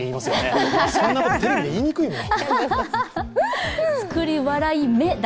そんなことテレビで言いにくいもん。